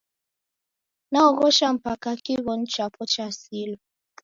Naog'osha mpaka kiwonu chapo chasilwa.